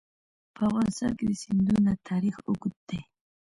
په افغانستان کې د سیندونه تاریخ اوږد دی.